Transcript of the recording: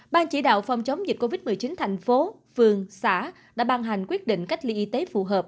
ban chỉ đạo phòng chống dịch covid một mươi chín thành phố phường xã đã ban hành quyết định cách ly y tế phù hợp